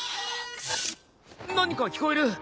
何か聞こえる！